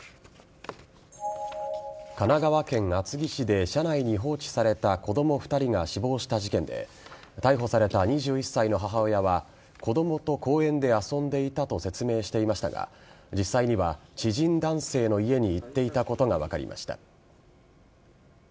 神奈川県厚木市で車内に放置された子供２人が死亡した事件で逮捕された２１歳の母親は子供と公園で遊んでいたと説明していましたが実際には知人男性の家に行っていたことが分かりました。